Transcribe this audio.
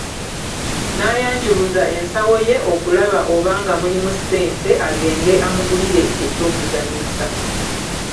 N'ayanjuluza ensawo ye okulaba obanga mulimu ssente agende amugulire eky'okuzannyisa.